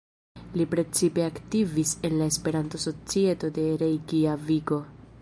Li precipe aktivis en la Esperanto-societo de Rejkjaviko.